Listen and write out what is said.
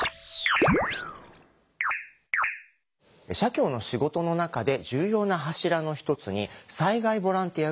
社協の仕事の中で重要な柱の一つに災害ボランティアがあります。